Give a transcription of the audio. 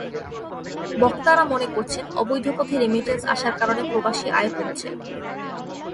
বক্তারা মনে করছেন, অবৈধ পথে রেমিট্যান্স আসার কারণে প্রবাসী আয় কমছে।